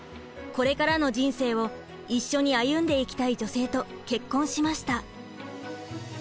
これからの人生を一緒に歩んでいきたい女性と結婚しました。